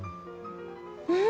うん！